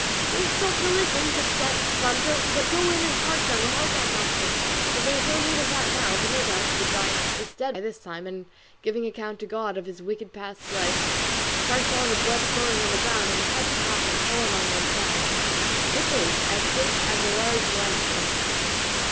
"Don't stop to listen," said Sancho, "but go in and part them or help my master: though there is no need of that now, for no doubt the giant is dead by this time and giving account to God of his past wicked life; for I saw the blood flowing on the ground, and the head cut off and fallen on one side, and it is as big as a large wine skin."